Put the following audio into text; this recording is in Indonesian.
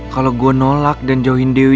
kalau gue nolak dan join dewi